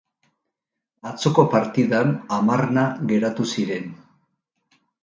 Atzoko partidan hamarna geratu ziren.